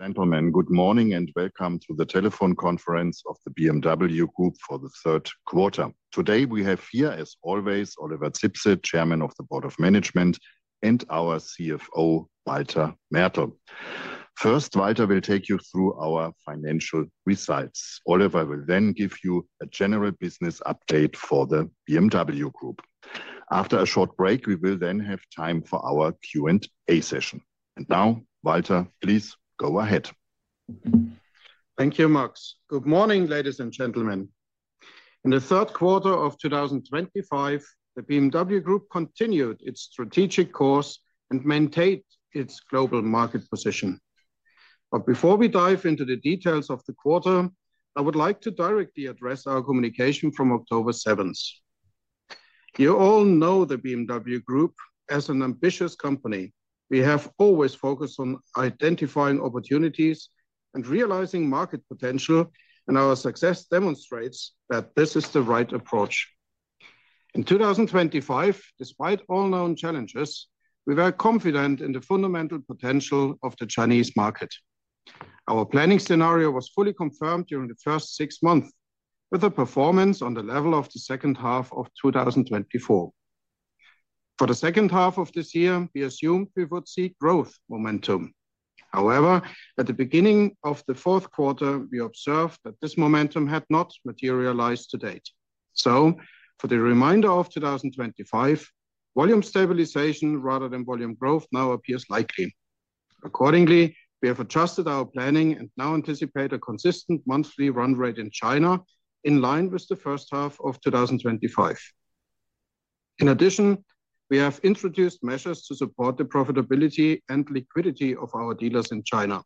Gentlemen, good morning and welcome to the telephone conference of the BMW Group for the third quarter. Today we have here, as always, Oliver Zipse, Chairman of the Board of Management, and our CFO, Walter Mertl. First, Walter will take you through our financial results. Oliver will then give you a general business update for the BMW Group. After a short break, we will then have time for our Q&A session. Now, Walter, please go ahead. Thank you, Max. Good morning, ladies and gentlemen. In the third quarter of 2025, the BMW Group continued its strategic course and maintained its global market position. Before we dive into the details of the quarter, I would like to directly address our communication from October 7th. You all know the BMW Group as an ambitious company. We have always focused on identifying opportunities and realizing market potential, and our success demonstrates that this is the right approach. In 2025, despite all known challenges, we were confident in the fundamental potential of the Chinese market. Our planning scenario was fully confirmed during the first six months, with a performance on the level of the second half of 2024. For the second half of this year, we assumed we would see growth momentum. However, at the beginning of the fourth quarter, we observed that this momentum had not materialized to date. For the remainder of 2025, volume stabilization rather than volume growth now appears likely. Accordingly, we have adjusted our planning and now anticipate a consistent monthly run rate in China in line with the first half of 2025. In addition, we have introduced measures to support the profitability and liquidity of our dealers in China.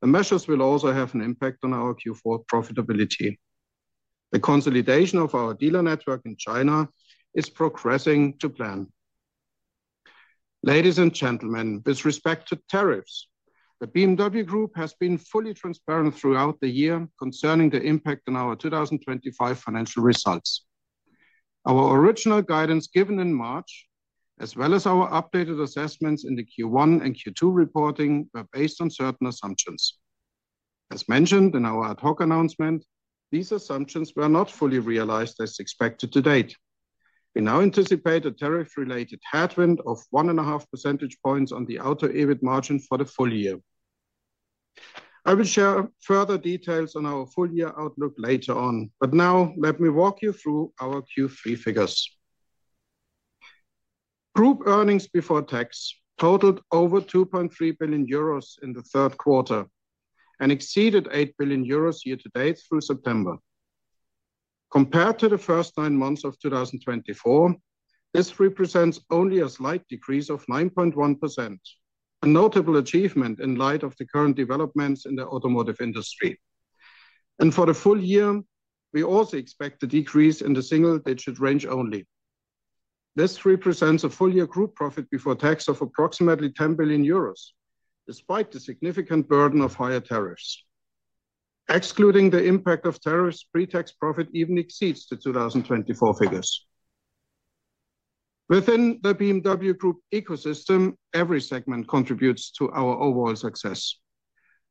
The measures will also have an impact on our Q4 profitability. The consolidation of our dealer network in China is progressing as planned. Ladies and gentlemen, with respect to tariffs, the BMW Group has been fully transparent throughout the year concerning the impact on our 2025 financial results. Our original guidance given in March, as well as our updated assessments in the Q1 and Q2 reporting, were based on certain assumptions. As mentioned in our ad hoc announcement, these assumptions were not fully realized as expected to date. We now anticipate a tariff-related headwind of one and a half percentage points on the auto EBIT margin for the full year. I will share further details on our full-year outlook later on, but now let me walk you through our Q3 figures. Group earnings before tax totaled over 2.3 billion euros in the third quarter and exceeded 8 billion euros year to date through September. Compared to the first nine months of 2024, this represents only a slight decrease of 9.1%. A notable achievement in light of the current developments in the automotive industry. For the full year, we also expect a decrease in the single-digit range only. This represents a full-year group profit before tax of approximately 10 billion euros, despite the significant burden of higher tariffs. Excluding the impact of tariffs, pre-tax profit even exceeds the 2024 figures. Within the BMW Group ecosystem, every segment contributes to our overall success.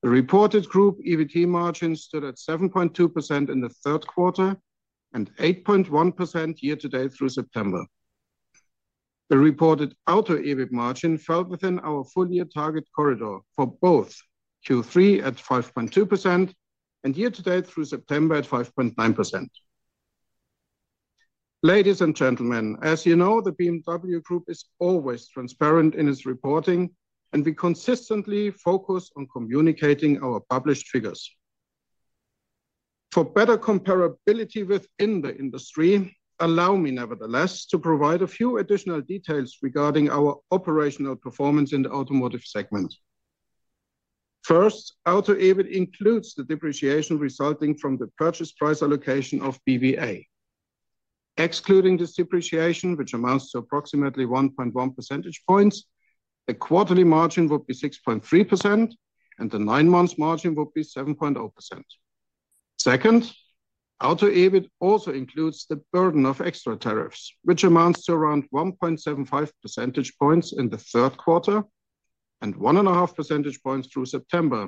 The reported group EBIT margins stood at 7.2% in the third quarter and 8.1% year to date through September. The reported auto EBIT margin fell within our full-year target corridor for both Q3 at 5.2% and year to date through September at 5.9%. Ladies and gentlemen, as you know, the BMW Group is always transparent in its reporting, and we consistently focus on communicating our published figures. For better comparability within the industry, allow me nevertheless to provide a few additional details regarding our operational performance in the automotive segment. First, auto EBIT includes the depreciation resulting from the purchase price allocation of BBA. Excluding this depreciation, which amounts to approximately 1.1 percentage points, the quarterly margin would be 6.3%, and the nine-month margin would be 7.0%. Second. Auto EBIT also includes the burden of extra tariffs, which amounts to around 1.75 percentage points in the third quarter and one and a half percentage points through September.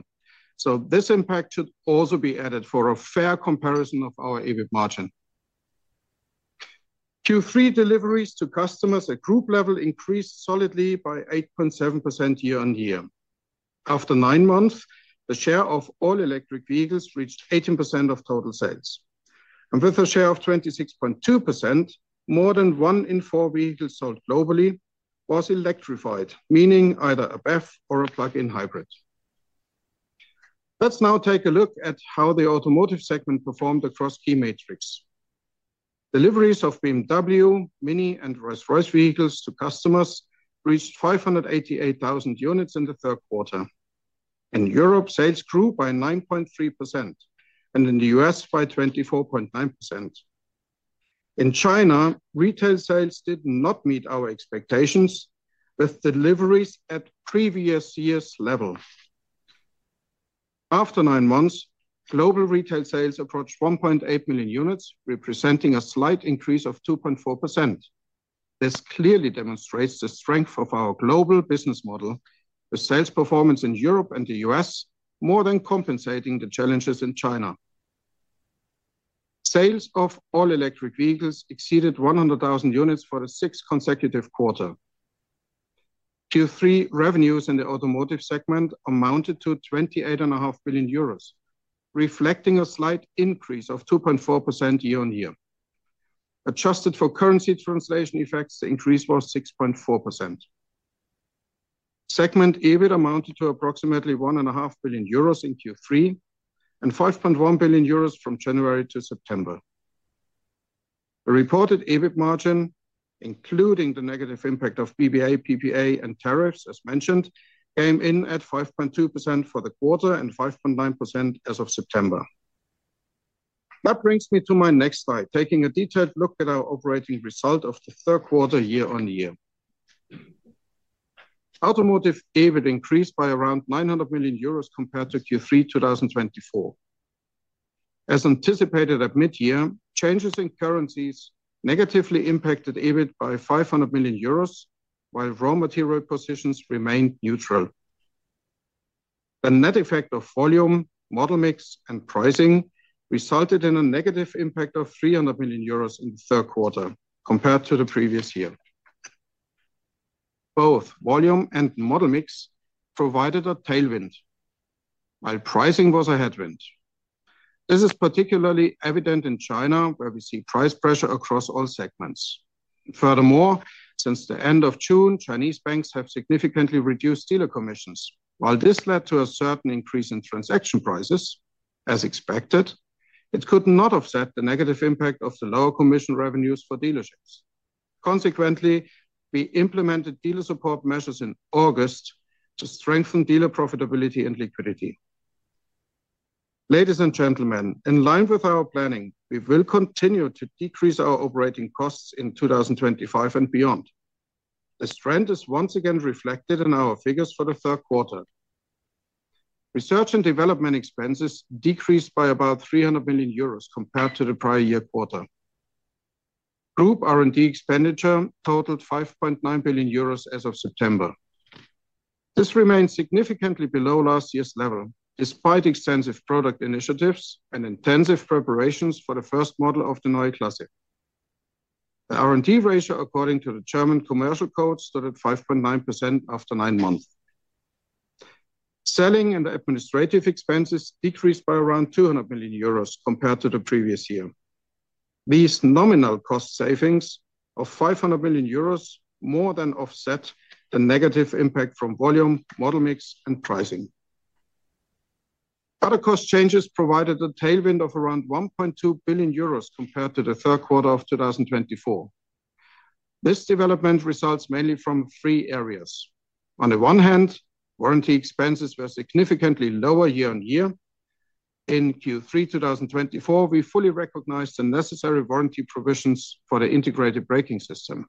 This impact should also be added for a fair comparison of our EBIT margin. Q3 deliveries to customers at group level increased solidly by 8.7% year-on-year. After nine months, the share of all electric vehicles reached 18% of total sales. With a share of 26.2%, more than one in four vehicles sold globally was electrified, meaning either a BEV or a plug-in hybrid. Let's now take a look at how the automotive segment performed across key metrics. Deliveries of BMW, MINI, and Rolls-Royce vehicles to customers reached 588,000 units in the third quarter. In Europe, sales grew by 9.3%. In the U.S. by 24.9%. In China, retail sales did not meet our expectations, with deliveries at previous year's level. After nine months, global retail sales approached 1.8 million units, representing a slight increase of 2.4%. This clearly demonstrates the strength of our global business model, with sales performance in Europe and the U.S. more than compensating the challenges in China. Sales of all electric vehicles exceeded 100,000 units for the sixth consecutive quarter. Q3 revenues in the automotive segment amounted to 28.5 billion euros, reflecting a slight increase of 2.4% year-on-year. Adjusted for currency translation effects, the increase was 6.4%. Segment EBIT amounted to approximately 1.5 billion euros in Q3 and 5.1 billion euros from January to September. The reported EBIT margin, including the negative impact of BBA, PPA, and tariffs, as mentioned, came in at 5.2% for the quarter and 5.9% as of September. That brings me to my next slide, taking a detailed look at our operating result of the third quarter year on year. Automotive EBIT increased by around 900 million euros compared to Q3 2024. As anticipated at mid-year, changes in currencies negatively impacted EBIT by 500 million euros, while raw material positions remained neutral. The net effect of volume, model mix, and pricing resulted in a negative impact of 300 million euros in the third quarter compared to the previous year. Both volume and model mix provided a tailwind. Pricing was a headwind. This is particularly evident in China, where we see price pressure across all segments. Furthermore, since the end of June, Chinese banks have significantly reduced dealer commissions. While this led to a certain increase in transaction prices, as expected, it could not offset the negative impact of the lower commission revenues for dealerships. Consequently, we implemented dealer support measures in August to strengthen dealer profitability and liquidity. Ladies and gentlemen, in line with our planning, we will continue to decrease our operating costs in 2025 and beyond. The trend is once again reflected in our figures for the third quarter. Research and development expenses decreased by about 300 million euros compared to the prior year quarter. Group R&D expenditure totaled 5.9 billion euros as of September. This remains significantly below last year's level, despite extensive product initiatives and intensive preparations for the first model of the Neue Klasse. The R&D ratio, according to the German commercial code, stood at 5.9% after nine months. Selling and administrative expenses decreased by around 200 million euros compared to the previous year. These nominal cost savings of 500 million euros more than offset the negative impact from volume, model mix, and pricing. Other cost changes provided a tailwind of around 1.2 billion euros compared to the third quarter of 2024. This development results mainly from three areas. On the one hand, warranty expenses were significantly lower year on year. In Q3 2024, we fully recognized the necessary warranty provisions for the integrated braking system.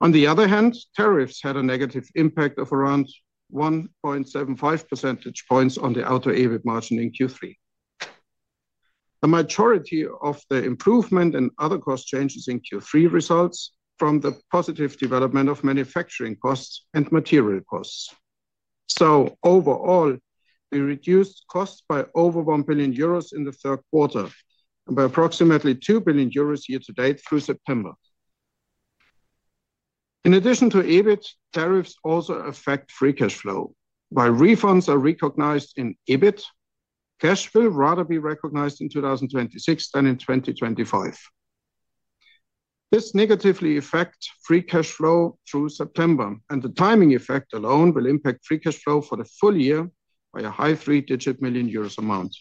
On the other hand, tariffs had a negative impact of around 1.75 percentage points on the auto EBIT margin in Q3. The majority of the improvement in other cost changes in Q3 results from the positive development of manufacturing costs and material costs. Overall, we reduced costs by over 1 billion euros in the third quarter and by approximately 2 billion euros year to date through September. In addition to EBIT, tariffs also affect free cash flow. While refunds are recognized in EBIT, cash will rather be recognized in 2026 than in 2025. This negatively affects free cash flow through September, and the timing effect alone will impact free cash flow for the full year by a high three-digit million euros amount.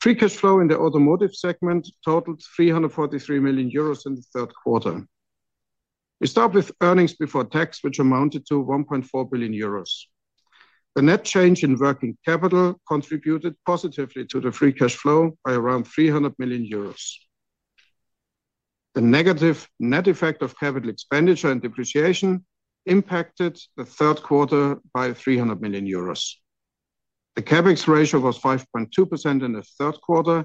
Free cash flow in the automotive segment totaled 343 million euros in the third quarter. We start with earnings before tax, which amounted to 1.4 billion euros. The net change in working capital contributed positively to the free cash flow by around 300 million euros. The negative net effect of capital expenditure and depreciation impacted the third quarter by 300 million euros. The CapEx ratio was 5.2% in the third quarter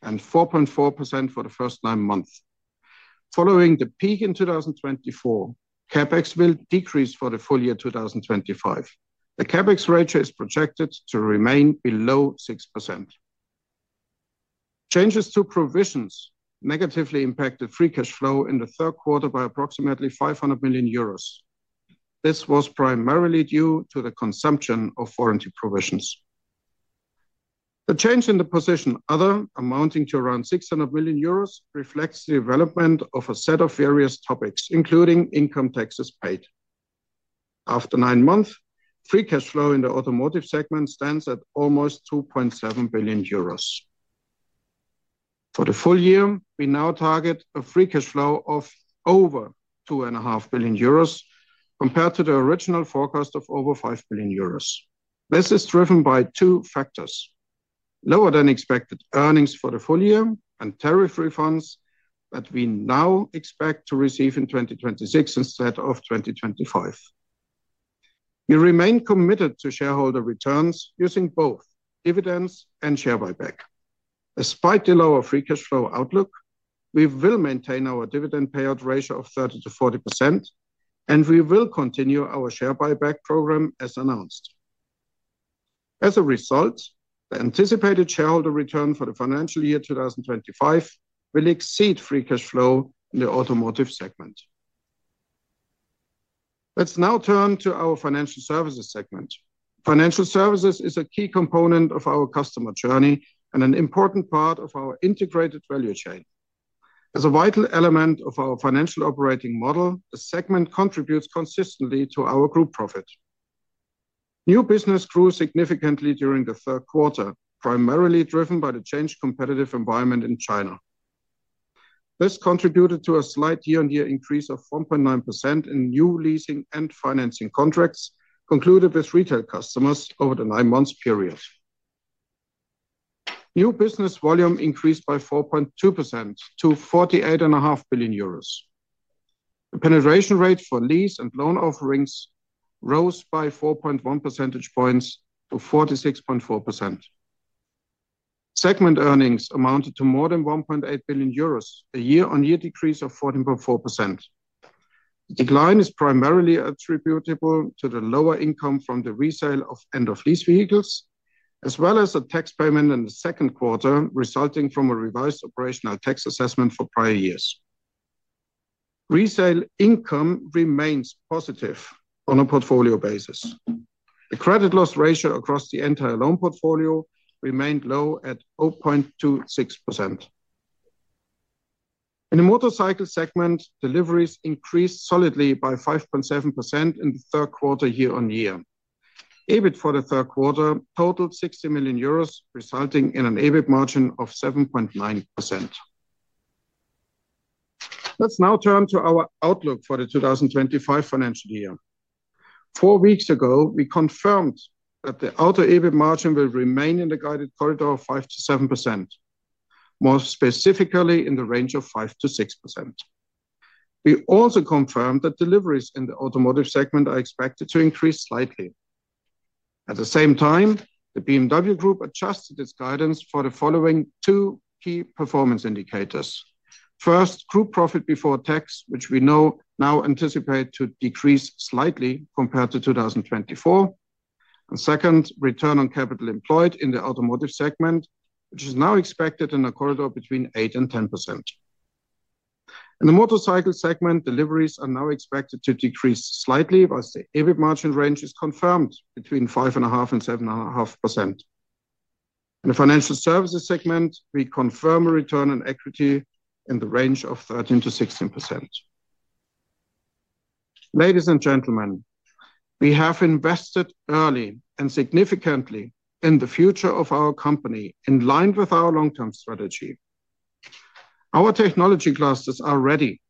and 4.4% for the first nine months. Following the peak in 2024, CapEx will decrease for the full year 2025. The CapEx ratio is projected to remain below 6%. Changes to provisions negatively impacted free cash flow in the third quarter by approximately 500 million euros. This was primarily due to the consumption of foreign provisions. The change in the position, other amounting to around 600 million euros, reflects the development of a set of various topics, including income taxes paid. After nine months, free cash flow in the automotive segment stands at almost 2.7 billion euros. For the full year, we now target a free cash flow of over 2.5 billion euros compared to the original forecast of over 5 billion euros. This is driven by two factors. Lower than expected earnings for the full year and tariff refunds that we now expect to receive in 2026 instead of 2025. We remain committed to shareholder returns using both dividends and share buyback. Despite the lower free cash flow outlook, we will maintain our dividend payout ratio of 30%-40%, and we will continue our share buyback program as announced. As a result, the anticipated shareholder return for the financial year 2025 will exceed free cash flow in the automotive segment. Let's now turn to our financial services segment. Financial services is a key component of our customer journey and an important part of our integrated value chain. As a vital element of our financial operating model, the segment contributes consistently to our group profit. New business grew significantly during the third quarter, primarily driven by the changed competitive environment in China. This contributed to a slight year-on-year increase of 1.9% in new leasing and financing contracts concluded with retail customers over the nine-month period. New business volume increased by 4.2% to 48.5 billion euros. The penetration rate for lease and loan offerings rose by 4.1 percentage points to 46.4%. Segment earnings amounted to more than 1.8 billion euros, a year-on-year decrease of 14.4%. The decline is primarily attributable to the lower income from the resale of end-of-lease vehicles, as well as the tax payment in the second quarter resulting from a revised operational tax assessment for prior years. Resale income remains positive on a portfolio basis. The credit loss ratio across the entire loan portfolio remained low at 0.26%. In the motorcycle segment, deliveries increased solidly by 5.7% in the third quarter year-on-year. EBIT for the third quarter totaled 60 million euros, resulting in an EBIT margin of 7.9%. Let's now turn to our outlook for the 2025 financial year. Four weeks ago, we confirmed that the auto EBIT margin will remain in the guided corridor of 5%-7%. More specifically, in the range of 5%-6%. We also confirmed that deliveries in the automotive segment are expected to increase slightly. At the same time, the BMW Group adjusted its guidance for the following two key performance indicators. First, group profit before tax, which we now anticipate to decrease slightly compared to 2024. And second, return on capital employed in the automotive segment, which is now expected in a corridor between 8%-10%. In the motorcycle segment, deliveries are now expected to decrease slightly, but the EBIT margin range is confirmed between 5.5%-7.5%. In the financial services segment, we confirm a return on equity in the range of 13%-16%. Ladies and gentlemen, we have invested early and significantly in the future of our company, in line with our long-term strategy. Our technology clusters are ready,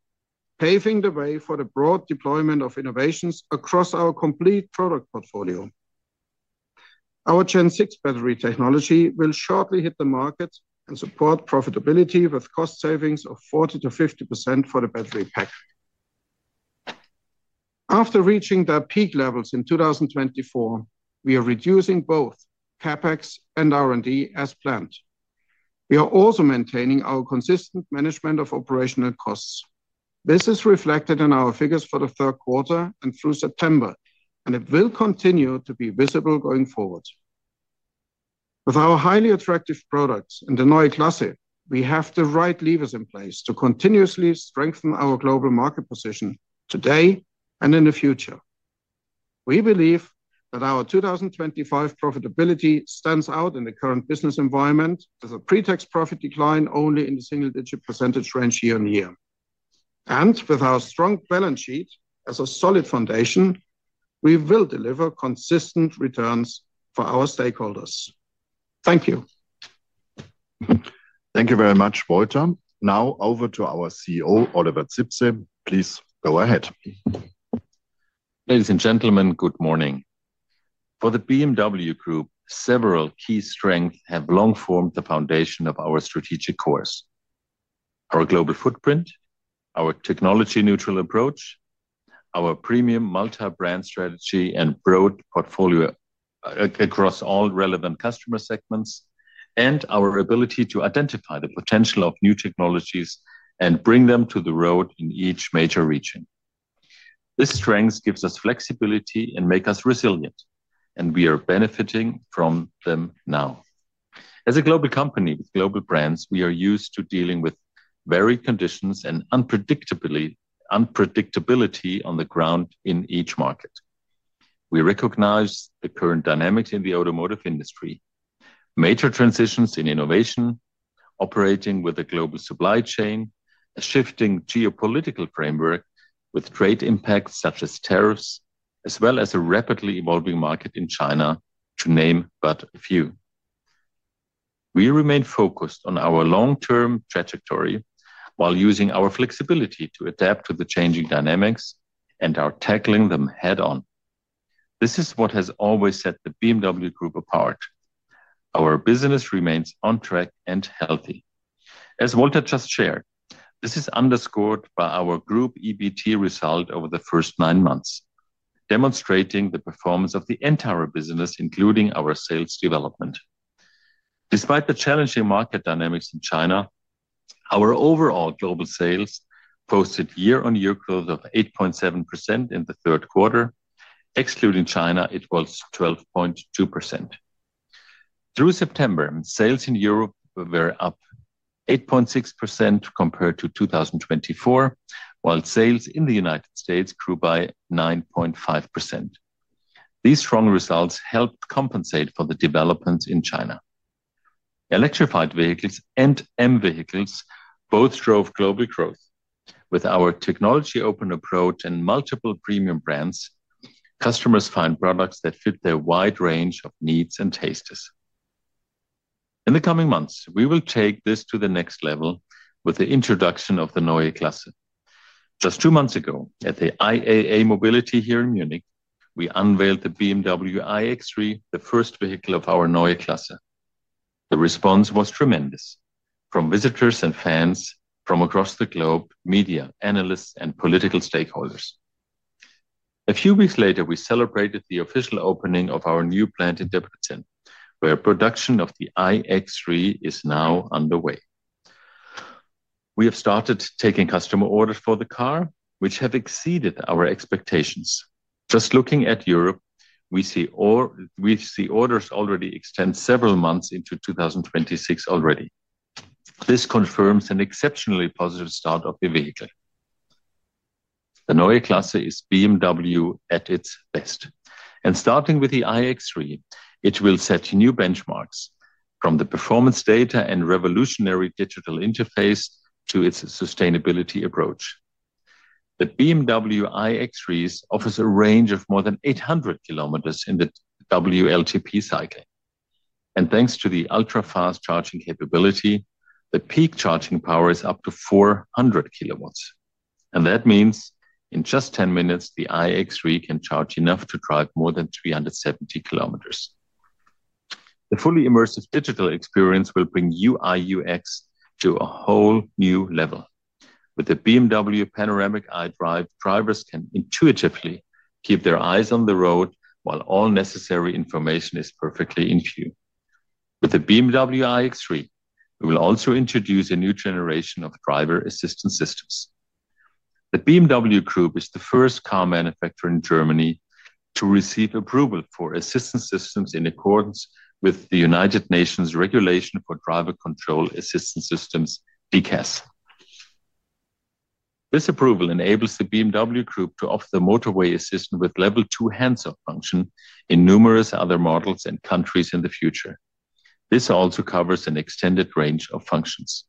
paving the way for the broad deployment of innovations across our complete product portfolio. Our Gen6 battery technology will shortly hit the market and support profitability with cost savings of 40%-50% for the battery pack. After reaching their peak levels in 2024, we are reducing both CapEx and R&D as planned. We are also maintaining our consistent management of operational costs. This is reflected in our figures for the third quarter and through September, and it will continue to be visible going forward. With our highly attractive products and the Neue Klasse, we have the right levers in place to continuously strengthen our global market position today and in the future. We believe that our 2025 profitability stands out in the current business environment, with a pre-tax profit decline only in the single-digit percentage range year-on-year. With our strong balance sheet as a solid foundation, we will deliver consistent returns for our stakeholders. Thank you. Thank you very much, Walter. Now over to our CEO, Oliver Zipse. Please go ahead. Ladies and gentlemen, good morning. For the BMW Group, several key strengths have long formed the foundation of our strategic course. Our global footprint, our technology-neutral approach, our premium multi-brand strategy, and broad portfolio. Across all relevant customer segments, and our ability to identify the potential of new technologies and bring them to the road in each major region. These strengths give us flexibility and make us resilient, and we are benefiting from them now. As a global company with global brands, we are used to dealing with varied conditions and unpredictability on the ground in each market. We recognize the current dynamics in the automotive industry, major transitions in innovation, operating with the global supply chain, a shifting geopolitical framework with trade impacts such as tariffs, as well as a rapidly evolving market in China, to name but a few. We remain focused on our long-term trajectory while using our flexibility to adapt to the changing dynamics and are tackling them head-on. This is what has always set the BMW Group apart. Our business remains on track and healthy. As Walter just shared, this is underscored by our Group EBIT result over the first nine months, demonstrating the performance of the entire business, including our sales development. Despite the challenging market dynamics in China, our overall global sales posted year-on-year growth of 8.7% in the third quarter. Excluding China, it was 12.2%. Through September, sales in Europe were up 8.6% compared to 2024, while sales in the United States grew by 9.5%. These strong results helped compensate for the developments in China. Electrified vehicles and M vehicles both drove global growth. With our technology-open approach and multiple premium brands, customers find products that fit their wide range of needs and tastes. In the coming months, we will take this to the next level with the introduction of the Neue Klasse. Just two months ago, at the IAA Mobility here in Munich, we unveiled the BMW iX3, the first vehicle of our Neue Klasse. The response was tremendous from visitors and fans from across the globe, media, analysts, and political stakeholders. A few weeks later, we celebrated the official opening of our new plant in Debrecen, where production of the iX3 is now underway. We have started taking customer orders for the car, which have exceeded our expectations. Just looking at Europe, we see orders already extend several months into 2026 already. This confirms an exceptionally positive start of the vehicle. The Neue Klasse is BMW at its best. Starting with the iX3, it will set new benchmarks, from the performance data and revolutionary digital interface to its sustainability approach. The BMW iX3 offers a range of more than 800 km in the WLTP cycle. Thanks to the ultra-fast charging capability, the peak charging power is up to 400 kilowatts. That means in just 10 minutes, the iX3 can charge enough to drive more than 370 km. The fully immersive digital experience will bring UI/UX to a whole new level. With the BMW Panoramic iDrive, drivers can intuitively keep their eyes on the road while all necessary information is perfectly in view. With the BMW iX3, we will also introduce a new generation of driver-assistance systems. The BMW Group is the first car manufacturer in Germany to receive approval for assistance systems in accordance with the United Nations regulation for driver control assistance systems, DCAS. This approval enables the BMW Group to offer the motorway assistant with level two hands-up function in numerous other models and countries in the future. This also covers an extended range of functions.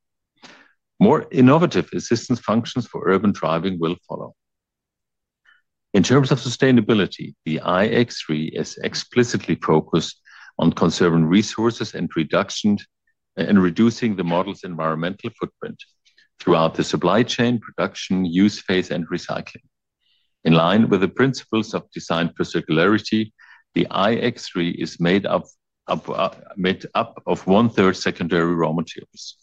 More innovative assistance functions for urban driving will follow. In terms of sustainability, the iX3 is explicitly focused on conserving resources and reducing the model's environmental footprint throughout the supply chain, production, use phase, and recycling. In line with the principles of design for circularity, the iX3 is made up of one-third secondary raw materials.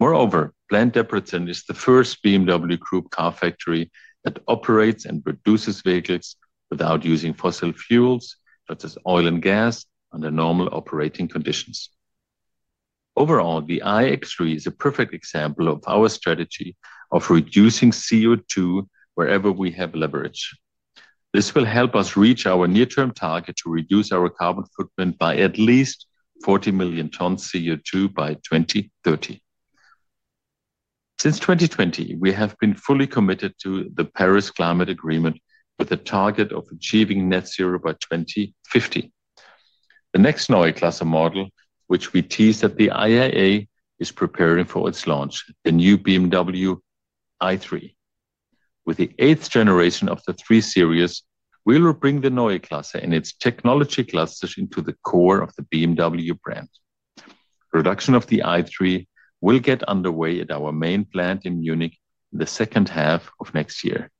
Moreover, plant Debrecen is the first BMW Group car factory that operates and produces vehicles without using fossil fuels, such as oil and gas, under normal operating conditions. Overall, the iX3 is a perfect example of our strategy of reducing CO2 wherever we have leverage. This will help us reach our near-term target to reduce our carbon footprint by at least 40 million tons CO2 by 2030. Since 2020, we have been fully committed to the Paris Climate Agreement with a target of achieving net zero by 2050. The next Neue Klasse model, which we tease at the IAA, is preparing for its launch, the new BMW i3. With the eighth generation of the 3 Series, we will bring the Neue Klasse and its technology clusters into the core of the BMW brand. Production of the i3 will get underway at our main plant in Munich in the second half of next year.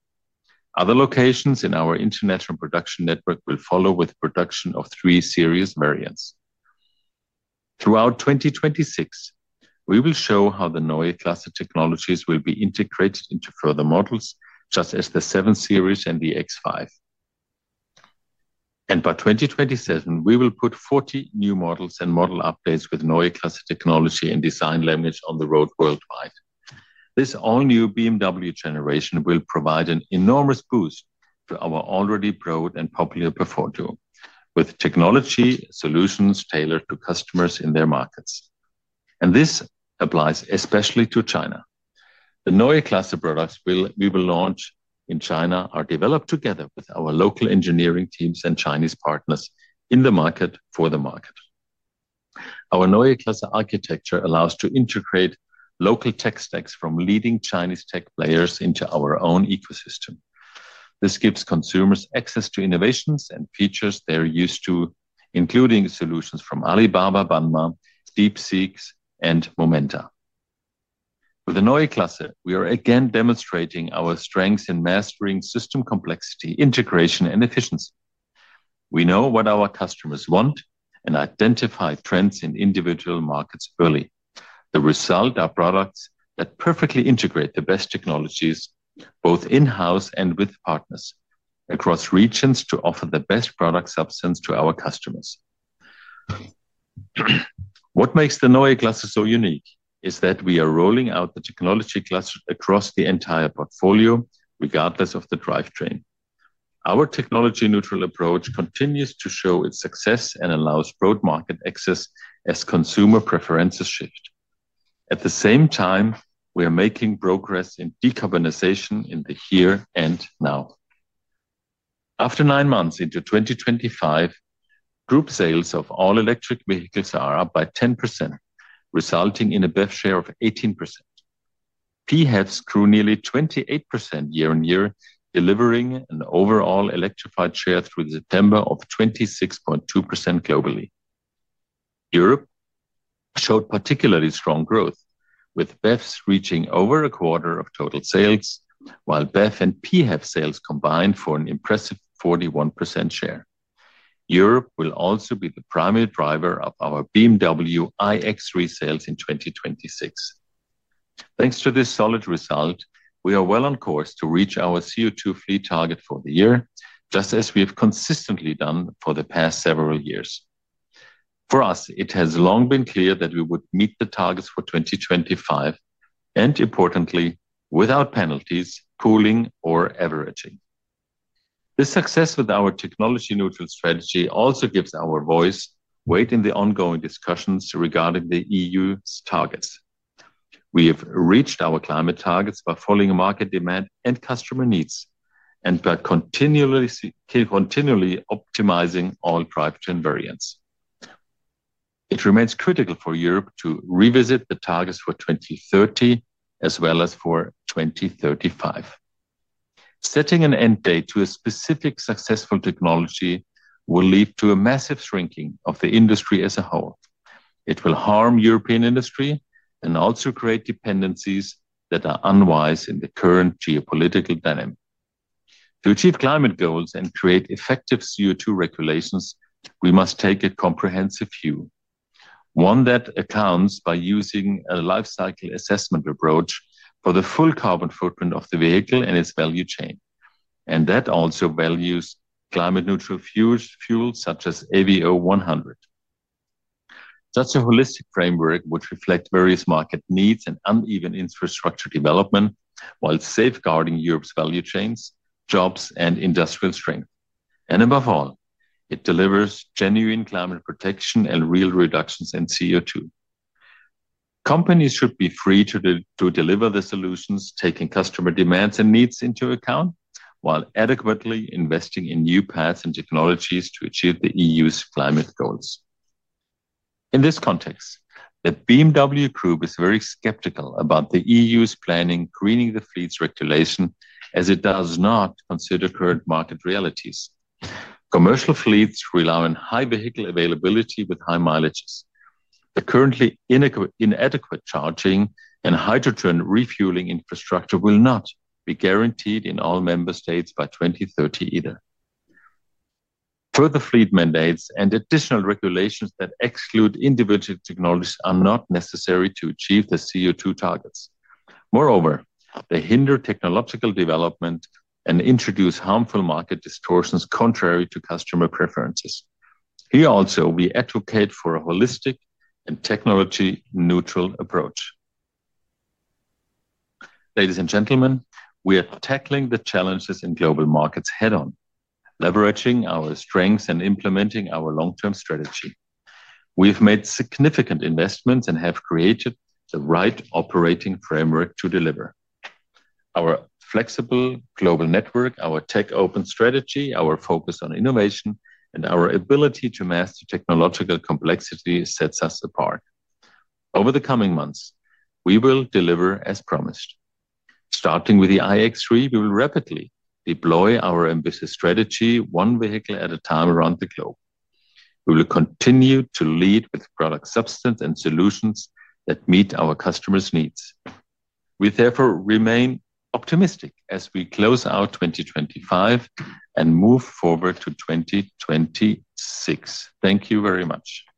Other locations in our international production network will follow with production of 3 Series variants. Throughout 2026, we will show how the Neue Klasse technologies will be integrated into further models, such as the 7 Series and the X5. By 2027, we will put 40 new models and model updates with Neue Klasse technology and design language on the road worldwide. This all-new BMW generation will provide an enormous boost to our already proud and popular portfolio, with technology solutions tailored to customers in their markets. This applies especially to China. The Neue Klasse products we will launch in China are developed together with our local engineering teams and Chinese partners in the market for the market. Our Neue Klasse architecture allows us to integrate local tech stacks from leading Chinese tech players into our own ecosystem. This gives consumers access to innovations and features they're used to, including solutions from Alibaba, Baidu, DeepSeek, and Momenta. With the Neue Klasse, we are again demonstrating our strengths in mastering system complexity, integration, and efficiency. We know what our customers want and identify trends in individual markets early. The result are products that perfectly integrate the best technologies, both in-house and with partners across regions, to offer the best product substance to our customers. What makes the Neue Klasse so unique is that we are rolling out the technology cluster across the entire portfolio, regardless of the drivetrain. Our technology-neutral approach continues to show its success and allows broad market access as consumer preferences shift. At the same time, we are making progress in decarbonization in the here and now. After nine months into 2025, group sales of all electric vehicles are up by 10%, resulting in a BEV share of 18%. PHEVs grew nearly 28% year-on-year, delivering an overall electrified share through September of 26.2% globally. Europe showed particularly strong growth, with BEVs reaching over a quarter of total sales, while BEV and PHEV sales combined for an impressive 41% share. Europe will also be the primary driver of our BMW iX3 sales in 2026. Thanks to this solid result, we are well on course to reach our CO2 free target for the year, just as we have consistently done for the past several years. For us, it has long been clear that we would meet the targets for 2025 and, importantly, without penalties, pooling or averaging. This success with our technology-neutral strategy also gives our voice weight in the ongoing discussions regarding the EU's targets. We have reached our climate targets by following market demand and customer needs and by continually optimizing all drivetrain variants. It remains critical for Europe to revisit the targets for 2030 as well as for 2035. Setting an end date to a specific successful technology will lead to a massive shrinking of the industry as a whole. It will harm European industry and also create dependencies that are unwise in the current geopolitical dynamic. To achieve climate goals and create effective CO2 regulations, we must take a comprehensive view. One that accounts for using a lifecycle assessment approach for the full carbon footprint of the vehicle and its value chain. That also values climate-neutral fuels such as HVO 100. Such a holistic framework would reflect various market needs and uneven infrastructure development while safeguarding Europe's value chains, jobs, and industrial strength. Above all, it delivers genuine climate protection and real reductions in CO2. Companies should be free to deliver the solutions, taking customer demands and needs into account while adequately investing in new paths and technologies to achieve the EU's climate goals. In this context, the BMW Group is very skeptical about the EU's planning greening the fleet's regulation, as it does not consider current market realities. Commercial fleets rely on high vehicle availability with high mileages. The currently inadequate charging and hydrogen refueling infrastructure will not be guaranteed in all member states by 2030 either. Further fleet mandates and additional regulations that exclude individual technologies are not necessary to achieve the CO2 targets. Moreover, they hinder technological development and introduce harmful market distortions contrary to customer preferences. Here also, we advocate for a holistic and technology-neutral approach. Ladies and gentlemen, we are tackling the challenges in global markets head-on, leveraging our strengths and implementing our long-term strategy. We have made significant investments and have created the right operating framework to deliver. Our flexible global network, our tech-open strategy, our focus on innovation, and our ability to master technological complexity sets us apart. Over the coming months, we will deliver as promised. Starting with the iX3, we will rapidly deploy our ambitious strategy, one vehicle at a time around the globe. We will continue to lead with product substance and solutions that meet our customers' needs. We therefore remain optimistic as we close out 2025 and move forward to 2026. Thank you very much.